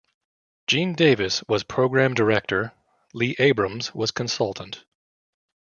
Gene Davis was Program Director, Lee Abrams was consultant.